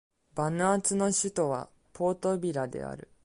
バヌアツの首都はポートビラである